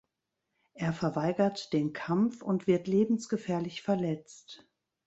Er verweigert den Kampf und wird lebensgefährlich verletzt.